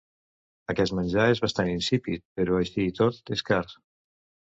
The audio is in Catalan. Aquest menjar és bastant insípid, però així i tot és car.